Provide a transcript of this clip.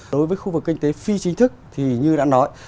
đối với khu vực kinh tế phi chính thức thì như đã nói